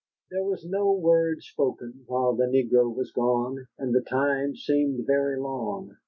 There was no word spoken while the negro was gone, and the time seemed very long.